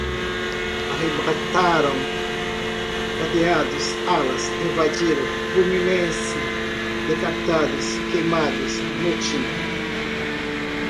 arrebentaram, cadeados, alas, invadiram, fluminense, decapitados, queimados, motim